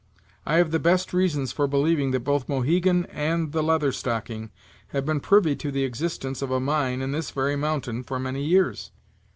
I have the best reasons for believing that both Mohegan and the Leather Stocking have been privy to the existence of a mine in this very mountain for many years."